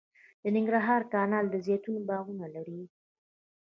د ننګرهار کانال د زیتون باغونه لري